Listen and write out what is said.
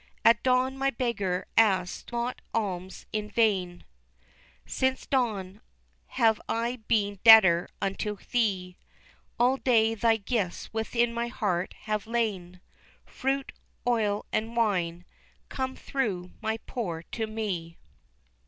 At dawn my beggar asked not alms in vain, Since dawn, have I been debtor unto thee, All day thy gifts within my heart have lain, Fruit, oil, and wine, come through my poor to me."